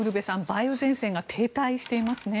梅雨前線が停滞していますね。